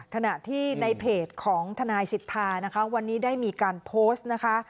ขณะที่ในเพจของทนายสิทธานะคะวันนี้ได้มีการโพสต์นะคะ